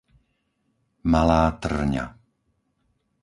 Malá Tŕňa